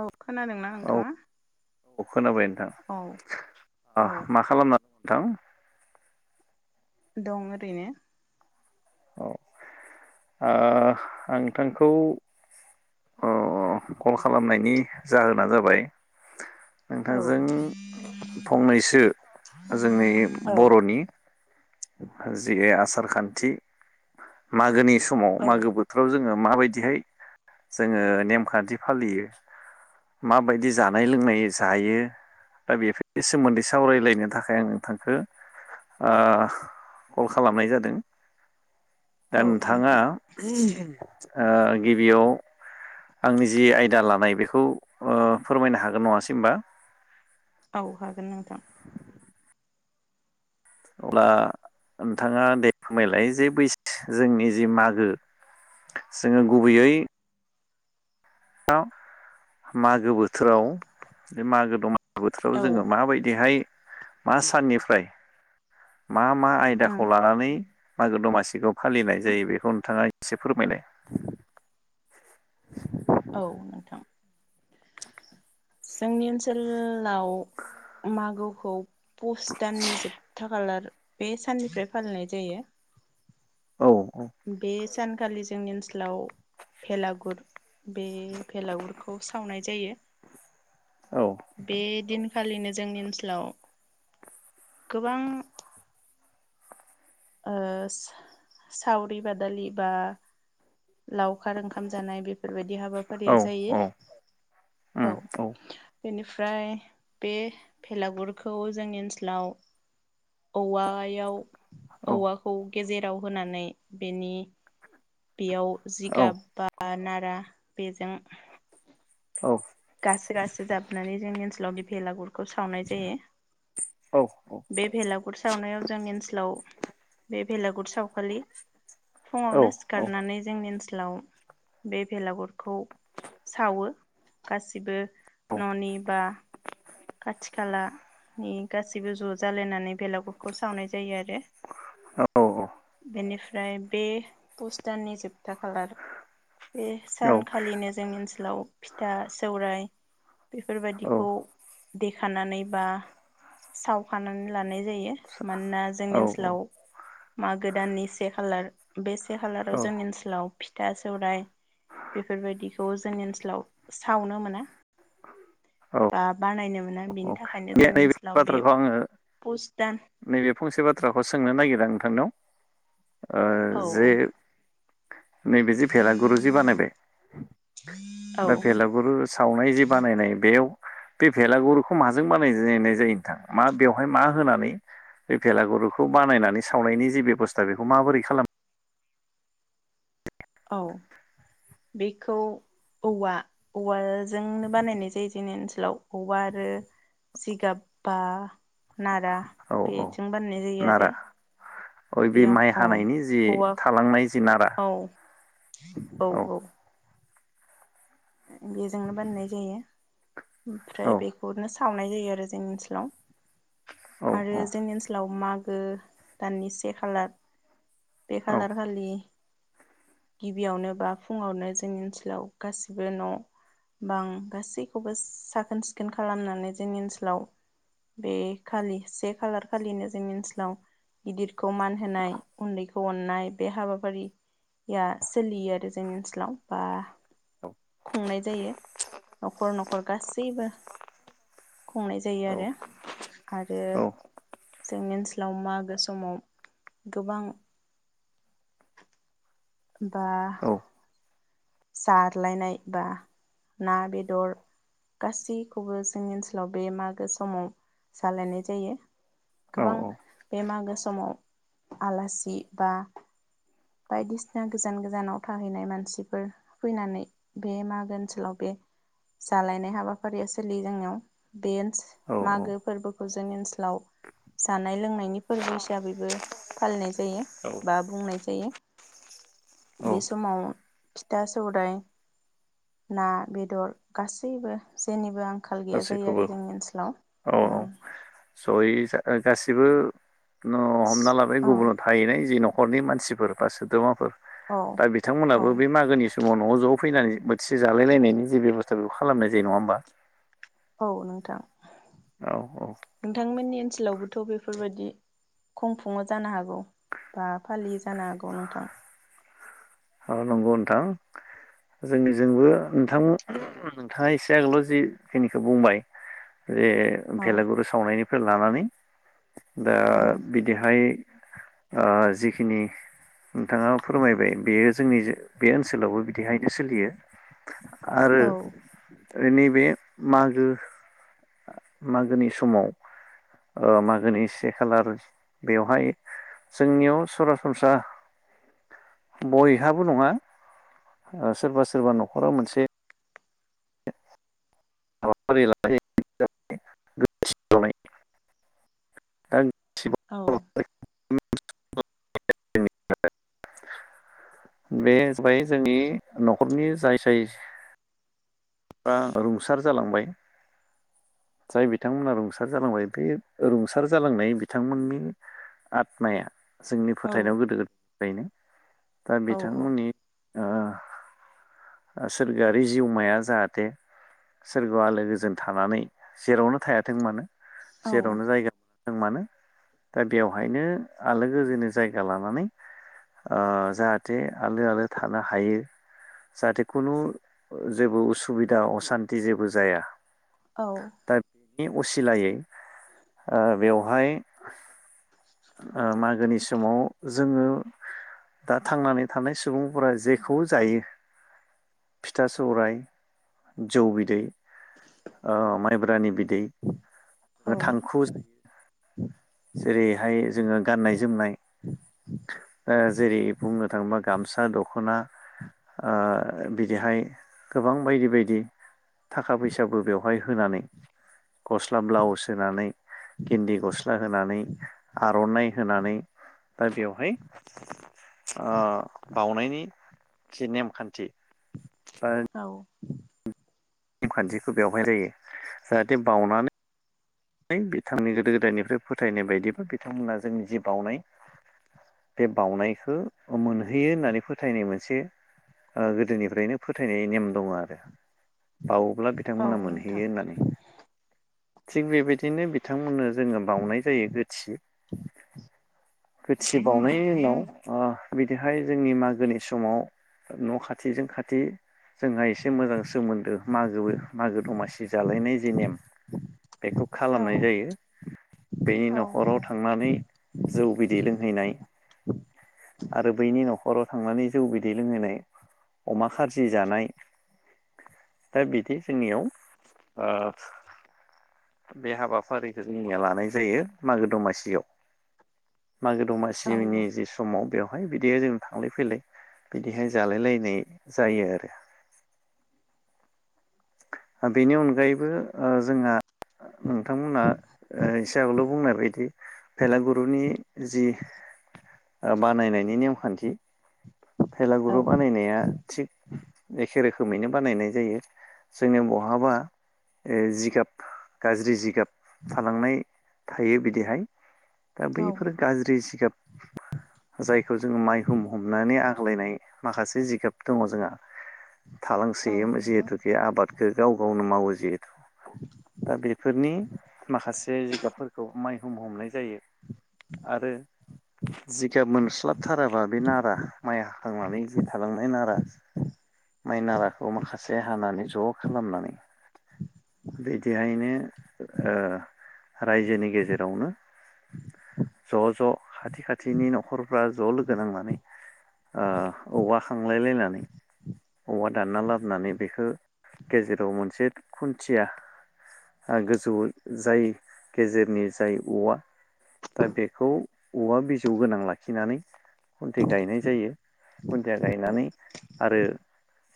औ खोनादोंना औ नोंथाङा? औ खोनाबाय औ नोंथां औ मा खालामना थां दं ओरैनो औ आं नोंथांखौ अ कल खालामनायनि जाहोना जाबाय औ नोंथांजों फंनैसो जोंनि औ बर'नि जि आसार खान्थि मागोनि समाव औ मागो बोथोराव जोङो माबायदिहाय जोङो नेमखान्थि फालियो माबायदि जानाय लोंनाय जायो दा बेफोरनि सोमोन्दै सावरायलायनो थाखाय आं नोंथांखो ओ कल खालामनाय जादों। दा औ नोंथाङा नोंथां ओ गिबियाव आंनि जि आयदा लानाय बेखौ फोरमायनो हागोन नङासै होनबा? औ हागोन नोंथां [inaudible] अब्ला नोंथाङा दे फोरमायलाय जे बै जोंनि जि मागो जोङो गुबैयै मागो बोथोराव बे मागो दमा बोथोराव औ जोङो माबायदिहाय मा साननिफ्राय मा मा आयदाखौ लानानै मागो दमासिखौ फालिनाय जायो बेखौ नोंथाङा एसे फोरमायलाय। औ नोंथां जोंनि ओनसोलाव मागोखौ पुस दाननि जोबथा खालार बे साननिफ्राय फालिनाय जायो औ बे सानखालि जोंनि ओनसोलाव भेलागुर बे भेलागुरखौ सावनाय जायो। औ बेदिन खालिनो जोंनि ओनसोलाव गोबां ओ साव-सावरि बादालि बा लावखार ओंखाम जानाय बेफोरबायदि औ हाबाफारिया जायो औ औ बेनिफ्राय बे भेलागुरखौ जोंनि ओनसोलाव औवायाव औ औवाखौ गेजेराव होनानै बेनि बेयाव औ जिगाब बा नार ओ बेजों औ गास गास जाबनानै जोंनि ओनसोलाव [unintelligible] भेलागुराव सावनाय जायो औ बे भेलागुर सावनायाव जों ओनसोलाव बे बेलागुर साव खालि औ फुङावनो औ सिखारनानै जोंनि आलाव बे भेलागुरखौ सावो गासिबो ननि बा खाथि खालानि उम गासैबो ज' जालायनानै बेलागुरखौ सावनाय जायो आरो बेनिफ्राय ओमफ्राय बे पस्टारनि जोबथा खालार बे सानखालिनो जोंनि ओनसोलाव फिथा सौराय बेफोरबादिखौ देखानानै बा सावखानानै लानाय जायो मानोना जोंनि औ ओनसोलाव मागो दाननि से खालार बे से औ खालाराव जोंनि ओनसोलाव फिथा सौराइ बेफोरबायदि बे जोंनि ओनसोलाव सावनो मोना औ बा बानायनो मोना बिनि औ थाखायनो दे जोंनि नैबे [inaudible] ओनसोलाव बे बाथ्राखौ [inaudible] आङो पुस दान नैबे फंसे बाथ्राखौ सोंनो नागिरो नोंथांनिाव ओ औ जे औ नैबे जि भेलागुरु जि बानायबाय औ दा भेलागुरु सावनाय जि बानायनाय बेयाव बे भेलागुरुखौ माजों बानायनाय जायो नोंथां मा बेवहाय मा होनानै बे भेलागुरुखौ बानायनानै सावनायनि जिे बेब'स्था बेखौ माबोरै खालामो औ बेखौ औवा औवा जोंनो बानायनाय जायो जोंनि ओनसो सोलाव औवा आरो जिगाब बा नारा औ बेजों बानायनाय जायो नारा आरो अ बे बेयाव माइ औ हानायनि जि औवा थालांनाय जि नारा औ औ बेजोंनो बानायनाय जायो औ फ्राय बेखौनो सावनाय जायो आरो जोंनि ओनसोलाव औ आरो जोंनि ओनसोलाव माग ओ दाननि से खालार बे औ खालार खालि गिबियावनो बा फुङावनो जोंनि ओनसोलाव गासिबो बे न' बां गासैखौबो साखोन सिखोन खालामनानै जोंनि ओनसोलाव बे खालि से खालार खालिनो जोंनि ओनसोलाव गिदिरखौ मान होनाय उन्दैखौ अननाय बे हाबाफारिया सोलियो आरो जोंनि ओनसोलाव बा खुंनाय जायो न'खर न'खर गासैबो खुंनाय जायो औ आरो आरो औ जोंनि ओनसोलाव मागो समाव गोबां बा जारलायनाय बा ना बेदर गासैखौबो जोंनि ओनसोलाव बे मागो समाव जालायनाय जायो। गोबां औ बेमार गोसा समाव आलासि बा बायदिसिना गोजान गोजानाव थाहैनाय मानसिफोर फैनानै बे मागो ओनसोलाव बे जालायनाय हाबाफारिया सोलियो जोंनियाव बेन्स औ मागो फोरबोखौ जोंनि ओनसोलाव जानाय लोंनायनि फोरबो हिसाबैबो फालिनाय जायो औ बा बुंनाय जायो औ बे समाव दा सौराय ना बेदर गासैबो जेनिबा आंखाल गैया जायो गासैखौबो आरो जोंनि ओनसोलाव औ औ जयै गासिबो न' हमना लाबाय औ गुबुनाव थाहैनाय जेन' नखरनि मानसिफोर बा सोद्रोमाफोर औ दा औ बिथांमोनाबो बे मागोनि समाव न'आव ज' फैनानै बोथिसे जालाय लायनायनि जे बेब'स्था बेखौ खालामनाय जायो नङा होमबा? औ नोंथां औ नोंथांमोननि ओनसोलावबो थ' बेफोरबायदि खुंफुङो जानो हागौ बा फालियो जानो हागौ नोंथां औ नंगौ नोंथां जोंनिजोंबो नोंथां नोंथाङा एसे आगोलाव जिखिनिखो बुंबाय बेे औ बेलागुरु सावनायनि लानानै दा औ बिदिहाय ओ जिखिनि नोंथाङा फोरमायबाय बेयो जोंनि बे ओनसोलावबो बिदिहायनो सोलियो आरो नैबे मागो मागोनि समाव मागोनि से खालार बेवहाय जोंनियाव सरासनस्रा बय बेहाबो नङा सोरबा सोरबा न'खराव मोनसे हाबाफारिलानाय औ [unintelligible] बे जाबाय जोंनि न'खरनि जाय जाय बा रुंसार जालांबाय जाय बिथांमोना रुंसार जालांबाय बे रुंसार जालांनाय बिथांमोननि आत्माया जोंनि औ फोथायनायाव गोदो गोदायनो औ बिथांमोननि सोरगोआरारि जिउमाया जाहाथे सोरगोआव आलो गोजोंन थानानै जेरावनो थायाथों मानो जेरावनो जायगा मानो दा बेवहायनो आलो गोजोननि जायगा लानानै ओ जाहाथे आलो आलो थानो हायो जाहाथे खुनु जेबो उसुबिदा असान्ति जेबो जाया औ दा बेनि असिलायै बेवहाय मागोनि समाव जोङो दा थांनानै थानाय सुबुंफोरा जेखौ जायो फिथा सौराय जौ बिदै ओ माइब्रानि बिदै औ थांखु जा जेरैहाय जोङो गाननाय जोमनाय जेरै बुंनो थाङोबा गामसा दखना ओ दिनिहाय गोबां बायदि बायदि थाखा फैसाबो बेवहाय होनानै गस्ला ब्लाउस होनानै गिन्दि गस्ला आर'ननाइ होनानै दा बेवहाय बावउनायनि जि नेमखान्थि औ नेम खान्थिखौ बेवहाय जायो जाहाथे बावउनानै बिथांनि गोदो गोदायनिफ्राय फोथायनाय बायदिब्ला बिथांमोनहा जोंनि जि बावउनाय बे बावनायखौ मोनहैयो होननानै फोथायनाय मोनसे गोदोनिफ्रायनो फोथायनाय नेम दङ आरो। बावोब्ला औ बिथांमोना नोंथां मोनहैयो होननानै थिग बेबायदि बिदिनो बिथांमोननो जोङो बाउनाय जायो गोथि गोथि बावउनायनि उनाव बिदिहाय जोंनि मागोनि समाव न' खाथिजों खाथि जोंहा एसे मोजां सोमोन्दो मागो मागो दमासि जालायनाय जि नेम औ खालामनाय जायो बेनि औ न'खराव थांनानै जौ बिदै लोंहैनाय आरो बैनि न'खराव थांनानै जौ बिदै लोंहोनाय अमा खारजि जानाय दा बिदि जोंनियाव बे हाबाफारिखौ जोंनिया लानाय जायो मागो दमासियाव मागो औ दमासिनि जि समाव बेयाव बेहाय बिदि जों थांलाय फैलाय बिदिहाय जालाय लायनाय जायो आरो बेनि अनगायैबो जोंहा नोंथांमोना एसे आगोलाव बुंनाय बायदि भेलागुरुनि जि बानायनायनि नेमखान्थि औ भेलागुरु बानायनाया थिग एखे रोखोमैनो बानायनाय जायो जोंनो बहाबा जिगाब गाज्रि जिगाब थालांनाय थायो बिदिहाय दा बैफोरो गाज्रि जिगाब जायखौ जोङो माइ रुम हमनानै आग्लायनाय माखासे जिगाब दङ जोंहा औ थालांसै नोंथां जिहेतुके आबाद गाव गावनो मावो जे दा बेफोरनि माखासे जिगाबफोरखौ माइ हम हमनाय जायो आरो जिगाब मोनस्लाबथाराबा बे नारा माइ हाखांनानै जि थालांनाय नारा माइ नाराखौ माखासे हानानै ज' खालामनानै बिदिहायनो रायजोनि गेजेरावनो ज' ज' खाथि खाथिनि न'खरफ्रा ज' लोगो नांनानै औवा खांलायलायनानै औवा दानना लाबोनानै बेखौ गेजेराव मोनसे खुन्थिया गोजौ जाय गेजेरनि जाय औवा दा बेखौ औवा बिजौ गोनां लाखिनानै खुन्थिया गायनाय जायो खुन्थिया गायनानै आरो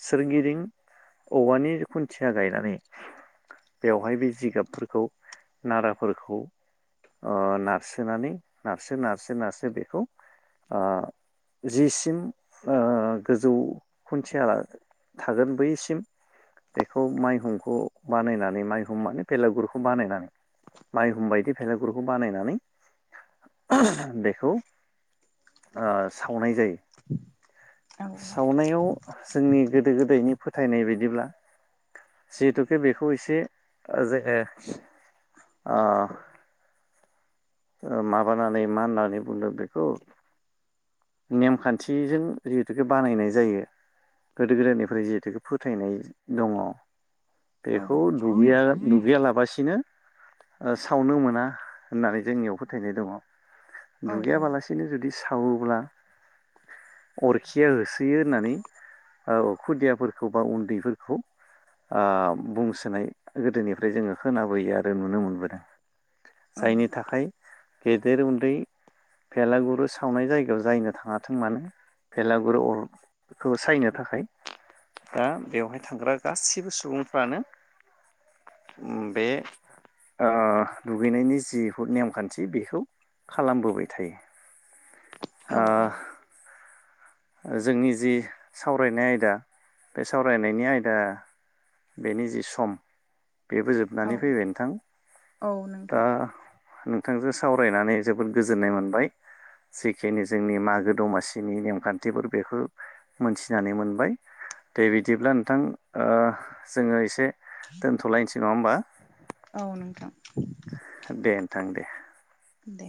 सोरगिदिं औवानि खुन्थिया गायनानै बेवहाय बे जिगाबफोरखौ नाराफोरखौ नारसोनानै नारसो नारसो नारसो बेखौ जिसिम गोजौ खुन्थिया थागोन बैसिम बेखौ माइहुंखौ बानायनानै माइहुं माने बेेलागुरुखौ बानायनानै माइहुम बायदि भलागुरखौ बानायनानै बेखौ सावनाय जायो औ नोंथां सावनायाव जोंनि गोदो गोदायनि फोथायनाय बायदि बिब्ला जिहेथुके बेखौ एसे जे ओ माबानानै मा होननानै बुंदों बेखौ नेमखान्थिजों जिहेथुके बानायनाय जायो गोदो गोदायनिफ्राय जिहेथुके फोथायनाय दङ औ बेखौ दुगैया दुगैयालाबासिनो सावनो मोना होननानै जोंनियाव फोथायनाय दङ औ औ दुगैया बालासिनि जुदि सा सावोब्ला अरखिया होसोयो होननानै खुदियाफोरखौ बा उन्दैफोरखौ ओ बुंसोनाय गोदोनिफ्राय जोङो खोनाबोयो आरो नुनो मोनबोदों साइनि गेदेर उन्दै भेलागुरु सावनाय जायगायाव जायनो थाङाथों मानो भेलागुरु अरखौ सायनो थाखाय दा बेवहाय ओ थांग्रा गासिबो सुबुंफ्रानो बे ओ दुगैनायनि जि बहुद नेमखान्थि बेखौ खालामबोबाय थायो ओ औ जोंनि जि सावरायनाय आयदा बे सावरायनायनि आयदाया बेनि जि सम बेबो जोबनानै औ फैबाय नोंथां औ दा नोंथां नोंथांजों सावरायनानै जोबोद गोजोननाय मोनबाय जिखिनि जोंनि मागो दमासिनि नेमखान्थि थिफोर बेखौ मोनथिनानै मोनबाय दे बिदिब्ला नोंथां ओ जोङो एसे दोनथ'लायनोसै नङा होमबा औ नोंथां दे नोंथां दे दे